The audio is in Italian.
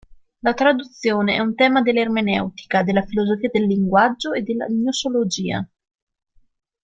La traduzione è un tema dell'ermeneutica, della filosofia del linguaggio e della gnoseologia.